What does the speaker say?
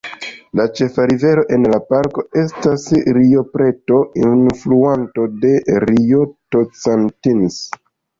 La ĉefa rivero en la parko estas Rio Preto, alfluanto de Rio Tocantins.